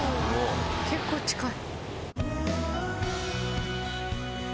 結構近い。